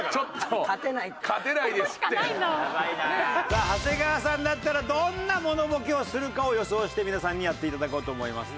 さあ長谷川さんだったらどんなモノボケをするかを予想して皆さんにやっていただこうと思います。